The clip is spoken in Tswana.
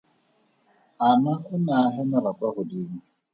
Anna o ne a hemela kwa godimo.